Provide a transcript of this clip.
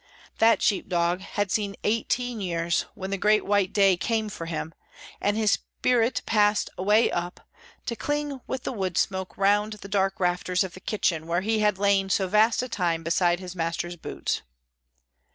That sheep dog had seen eighteen years when the great white day came for him, and his spirit passed away up, to cling with the wood smoke round the dark rafters of the kitchen where he had lain so vast a time beside his master's boots.